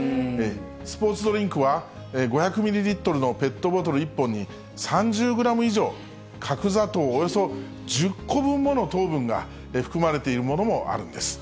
スポーツドリンクは、５００ミリリットルのペットボトル１本に３０グラム以上、角砂糖およそ１０個分もの糖分が含まれているものもあるんです。